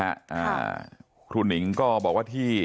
อ่าครูหนิงก็บอกว่าที่